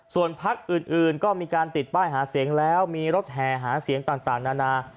ส่วนพักอื่นก็มีการติดป้ายหาเสียงแล้วมีรถแห่หาเสียงต่างนานา